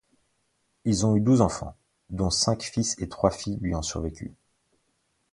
Ils ont eu douze enfants, dont cinq fils et trois filles lui ont survécu.